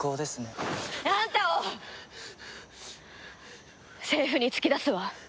あんたを政府に突き出すわ。